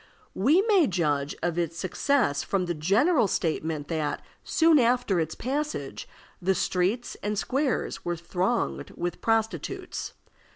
We may judge of its success from the general statement that, soon after its passage, the streets and squares were thronged with prostitutes.